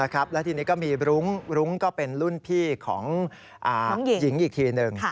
แล้วทีนี้ก็มีบรุ้งรุ้งก็เป็นรุ่นพี่ของหญิงอีกทีหนึ่ง